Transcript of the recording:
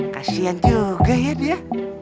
kasian juga ya dia